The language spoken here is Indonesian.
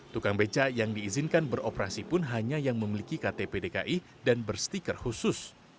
tukang beca yang diizinkan beroperasi pun hanya yang memiliki ktp dki dan berstiker khusus